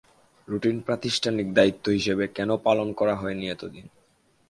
Routine প্রাতিষ্ঠানিক দায়িত্ব হিসেবে কেন পালন করা হয়নি এত দিন?